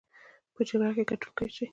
په جګړه کې ګټونکي شي.